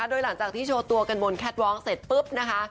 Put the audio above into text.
โดยหลังจากที่โชว์ตัวกันบนแคทวอล์เสร็จปุ๊บนะคะ